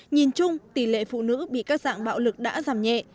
nhìn chung tỷ lệ phụ nữ bị các dạng bạo lực đã giảm nhẹ